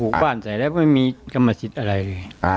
บ้านใส่แล้วไม่มีกรรมสิทธิ์อะไรเลย